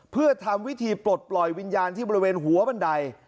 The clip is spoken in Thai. เพื่อทำวิธีปลดปล่อยวิญญาณที่บริเวณหัวบันได